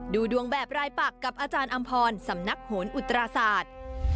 ดูดวงแบบรายปักกับอาจารย์อำพรสำนักโหนอุตราศาสตร์